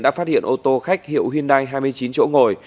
đã phát hiện ô tô khách hiệu hyundai hai mươi chín chỗ ngồi